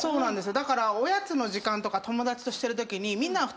だからおやつの時間とか友達としてるときにみんなは。